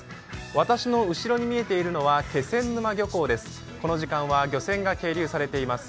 私の後ろに見えているのは気仙沼漁港です。